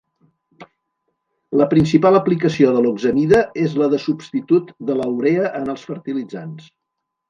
La principal aplicació de l'oxamida és la de substitut de la urea en els fertilitzants.